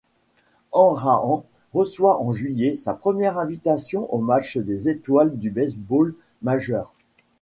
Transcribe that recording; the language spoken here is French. Hanrahan reçoit en juillet sa première invitation au match des étoiles du baseball majeur.